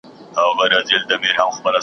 نن چي دي ویر وژاړم څوک خو به څه نه وايي .